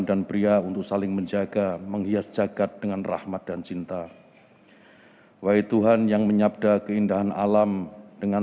doa bersama dipimpin oleh menteri agama republik indonesia